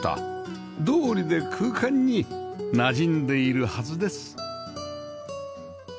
どうりで空間になじんでいるはずです